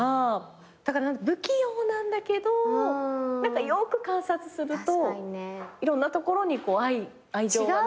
だから不器用なんだけどよく観察するといろんなところに愛情はね。